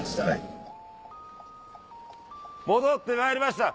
戻ってまいりました！